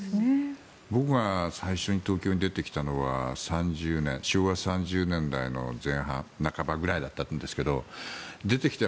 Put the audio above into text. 僕が最初に東京に出てきたのは昭和３０年代の前半半ばぐらいだったんですが出てきて